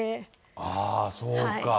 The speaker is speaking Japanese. ああ、そうか。